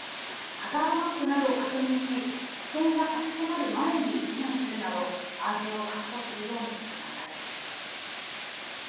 ハザードマップなどを確認し危険が差し迫る前に避難するなど安全を確保するようにしてください。